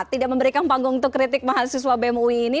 tidak memberikan panggung untuk kritik mahasiswa bem ui ini